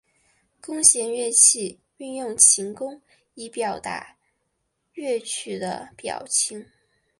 弓弦乐器运用琴弓以表达乐曲的表情。